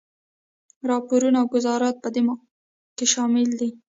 راپورونه او ګذارشات په دې کې شامل دي.